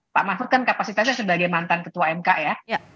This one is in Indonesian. pak mahfud kan kapasitasnya sebagai mantan ketua mk ya